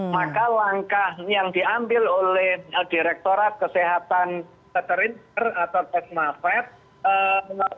maka langkah yang diambil oleh direkturat kesehatan petrinser atau petmafet